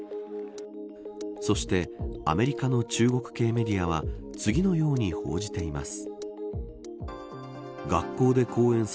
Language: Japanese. そしてアメリカの中国系メディアは次のように報じています。